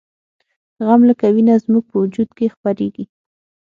غم لکه وینه زموږ په وجود کې خپریږي